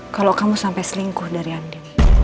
kalau kamu sampai selingkuh dari anda